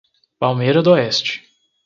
Palmeira d'Oeste